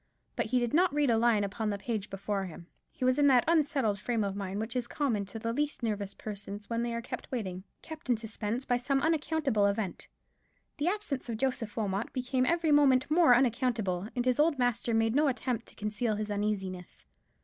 But he did not read a line upon the page before him. He was in that unsettled frame of mind which is common to the least nervous persons when they are kept waiting, kept in suspense by some unaccountable event. The absence of Joseph Wilmot became every moment more unaccountable: and his old master made no attempt to conceal his uneasiness.